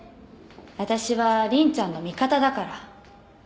私は凛ちゃんの味方だから。